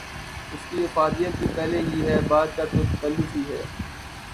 اس کی افادیت بھی پہلے ہی ہے، بعد کا تو تکلف ہی ہے۔